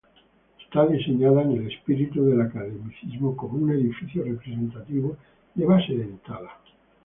Está diseñada en el espíritu del academicismo como un edificio representativo, de base dentada.